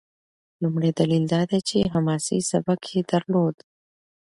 لومړی دلیل دا دی چې حماسي سبک یې درلود.